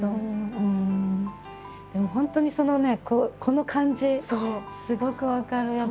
でも本当にそのねこの感じすごく分かる。